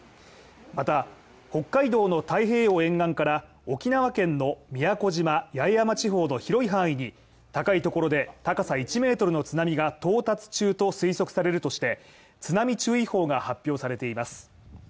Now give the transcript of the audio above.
また、北海道の太平洋沿岸から、沖縄県の宮古島八重山地方の広い範囲に高いところで、高さ１ｍの津波が到達中と推測されるとして、津波注意報が発表されています。